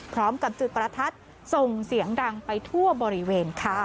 พร้อมกับจุดประทัดส่งเสียงดังไปทั่วบริเวณค่ะ